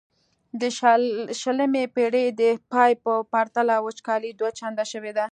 د شلمې پیړۍ د پای په پرتله وچکالي دوه چنده شوې ده.